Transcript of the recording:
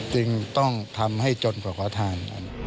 จริงต้องทำให้จนกว่าคว้าทาน